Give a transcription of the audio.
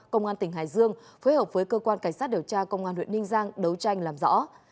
công an tỉnh hải dương phối hợp với cơ quan cảnh sát điều tra công an huyện ninh giang đấu tranh làm rõ